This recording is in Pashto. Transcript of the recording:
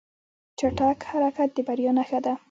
چټک حرکت د بریا نښه ده.